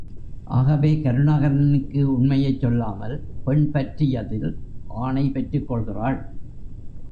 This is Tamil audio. ஆகவே கருணாகரனுக்கு உண்மையைச் சொல்லாமல் பெண் பற்றியதில் ஆணை பெற்றுக்கொள்கிறாள்.